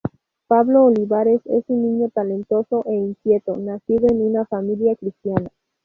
Pablo Olivares es un niño talentoso e inquieto, nacido en una familia cristiana.